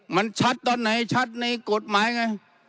มันชัดตอนไหนชัดในกฎหมายไง